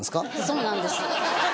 そうなんです。